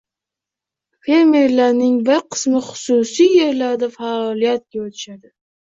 —Fermerlarning bir qismi xususiy yerlarida faoliyat yuritishadi